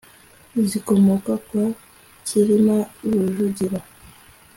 zikomoka kwa Cyilima Rujugira